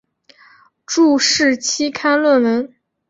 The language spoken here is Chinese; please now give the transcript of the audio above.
注释期刊论文